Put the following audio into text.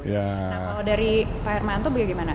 nah kalau dari pak hermanto bagaimana